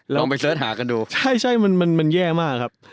ลองไปเสิร์ชหากันดูใช่มันมันแย่มากครับ